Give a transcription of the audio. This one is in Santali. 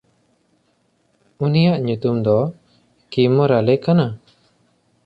ᱩᱱᱤᱭᱟᱜ ᱧᱩᱛᱩᱢ ᱫᱚ ᱠᱤᱢᱚᱨᱟᱞᱮ ᱠᱟᱱᱟ᱾